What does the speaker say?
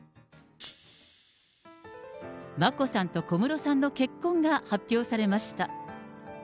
眞子さんと小室さんの結婚が発表されました。